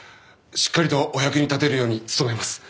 しっかりとお役に立てるように努めます。